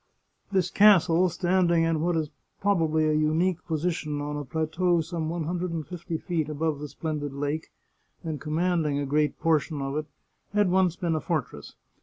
This castle, standing in what is probably a unique position, on a plateau some one hundred and fifty feet above the splen did lake, and commanding a great portion of it, had once been a fortress.